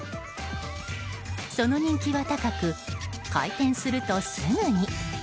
その人気は高く開店するとすぐに。